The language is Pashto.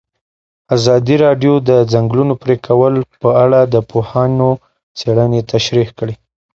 ازادي راډیو د د ځنګلونو پرېکول په اړه د پوهانو څېړنې تشریح کړې.